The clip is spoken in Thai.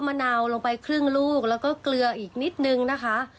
มะนาวลงไปครึ่งลูกแล้วก็เกลืออีกนิดนึงนะคะ